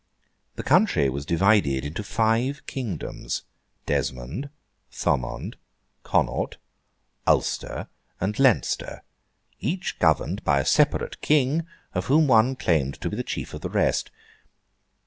The country was divided into five kingdoms—Desmond, Thomond, Connaught, Ulster, and Leinster—each governed by a separate King, of whom one claimed to be the chief of the rest.